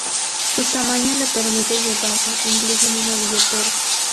Su tamaño le permite llevarla incluso en una billetera.